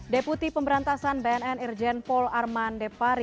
deputi pemberantasan bnn irjen paul armande pari